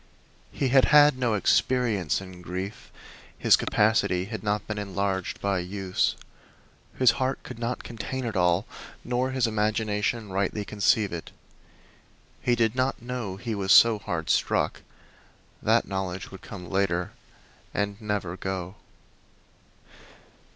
He had had no experience in grief; his capacity had not been enlarged by use. His heart could not contain it all, nor his imagination rightly conceive it. He did not know he was so hard struck; that knowledge would come later, and never go.